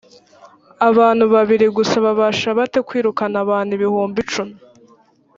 abantu babiri gusa babasha bate kwirukana abantu ibihumbi cumi?